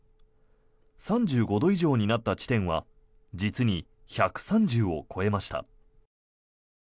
３５度以上になった地点は実に１３０を超えました。